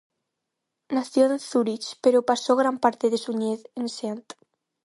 Nació en Zúrich, pero pasó gran parte de su niñez en St.